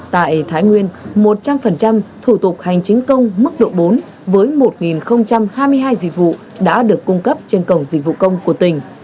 tại thái nguyên một trăm linh thủ tục hành chính công mức độ bốn với một hai mươi hai dịch vụ đã được cung cấp trên cổng dịch vụ công của tỉnh